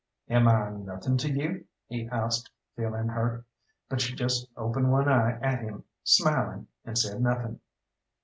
"Am I nothing to you?" he asked, feeling hurt; but she just opened one eye at him, smiling, and said nothing.